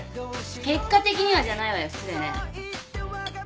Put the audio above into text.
結果的にはじゃないわよ失礼ね。